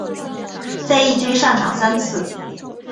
在一军上场三次。